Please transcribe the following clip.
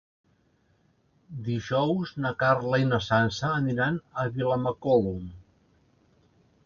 Dijous na Carla i na Sança aniran a Vilamacolum.